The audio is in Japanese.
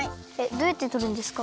どうやってとるんですか？